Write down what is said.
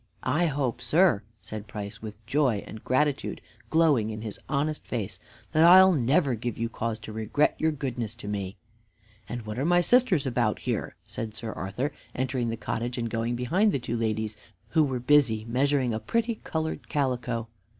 "I hope, sir," said Price, with joy and gratitude glowing in his honest face, "that I'll never give you cause to regret your goodness to me." "And what are my sisters about here?" said Sir Arthur, entering the cottage and going behind the two ladies, who were busy measuring a pretty colored calico.